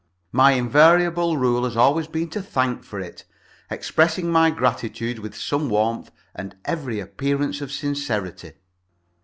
My invariable rule has always been to thank for it, expressing my gratitude with some warmth and every appearance of sincerity.